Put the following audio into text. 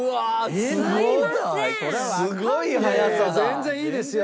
全然いいですよ。